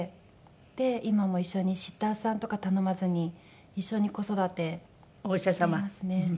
今も一緒にシッターさんとか頼まずに一緒に子育てしていますね。